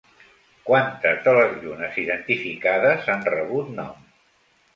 Quantes de les llunes identificades han rebut nom?